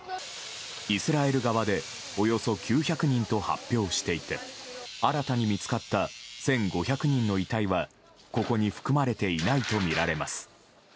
イスラエル側でおよそ９００人と発表していて新たに見つかった１５００人の遺体はここに含まれていないとみられます。